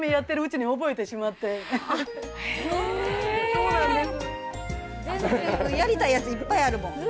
そうなんです。